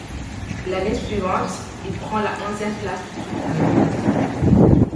L'année suivante, il prend la onzième place du Tour d'Indonésie.